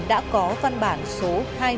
đã có văn bản số hai trăm một mươi tám